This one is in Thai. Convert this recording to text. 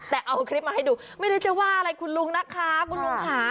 แต่เอาคลิปมาให้ดูไม่ได้จะว่าอะไรคุณลุงนะคะคุณลุงค่ะ